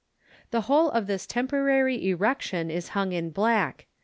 The whole of this temporary erection is hung in black.